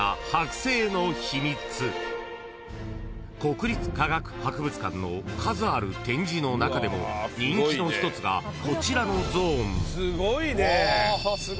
［国立科学博物館の数ある展示の中でも人気の一つがこちらのゾーン］